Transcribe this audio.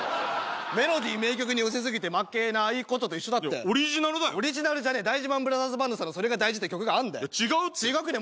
メロディー名曲に寄せすぎて「負けない事」と一緒だっていやオリジナルだよオリジナルじゃねえ大事ＭＡＮブラザーズバンドさんの「それが大事」って曲があんだよいや違うって違くねえ